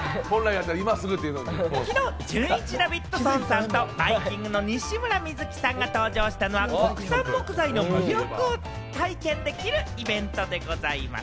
きのう、じゅんいちダビッドソンさんとバイきんぐの西村瑞樹さんが登場したのは、国産木材の魅力を体験できるイベントでございます。